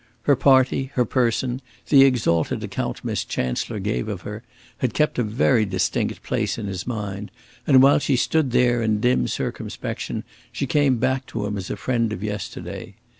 Her party, her person, the exalted account Miss Chancellor gave of her, had kept a very distinct place in his mind; and while she stood there in dim circumspection she came back to him as a friend of yesterday.